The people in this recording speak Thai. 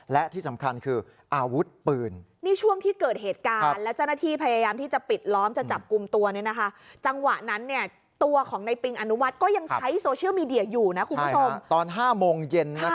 และที่สำคัญคืออาวุธปืน